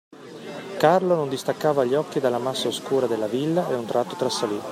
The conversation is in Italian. Carlo non distaccava gli occhi dalla massa oscura della villa e a un tratto trasalì.